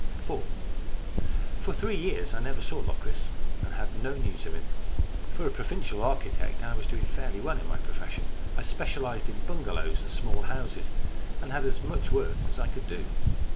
IV FOR three years I never saw Locris and had no news of him. For a provincial architect I was doing fairly well in my profession. I specialized in bungalows and small houses, and had as much work as I could do.